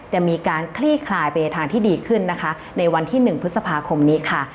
จะมีการคลี่คลายไปในทางที่ดีขึ้นนะคะในวันที่๑พฤษภาคมนี้ค่ะ